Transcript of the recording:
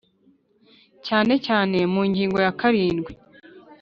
cyane cyane mu ngingo ya karindwi